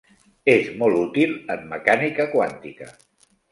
És molt útil en mecànica quàntica.